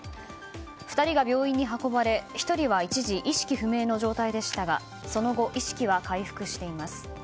２人が病院に運ばれ１人は一時意識不明の状態でしたがその後、意識は回復しています。